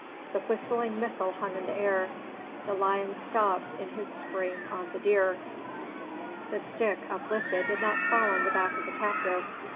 The whistling missile hung in the air, the lion stopped in his spring on the deer, the stick uplifted did not fall on the back of the captive.